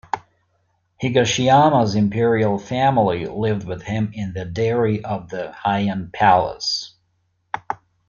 Higashiyama's Imperial family lived with him in the Dairi of the Heian Palace.